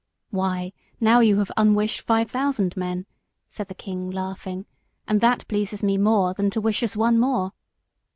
"Why, now you have unwished five thousand men," said the king laughing, "and that pleases me more than to wish us one more.